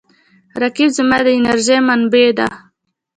رقیب زما د انرژۍ منبع دی